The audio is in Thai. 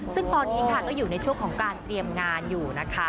ซึ่งตอนนี้ค่ะก็อยู่ในช่วงของการเตรียมงานอยู่นะคะ